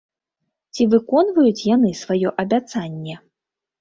Ці выконваюць яны сваё абяцанне?